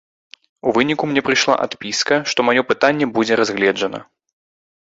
У выніку мне прыйшла адпіска, што маё пытанне будзе разгледжана.